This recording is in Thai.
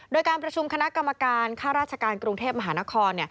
โดยการประชุมคณะกรรมการค่าราชการกรุงเทพมหานคร